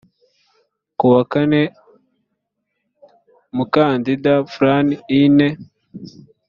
ku wa kane mukandinda fran ine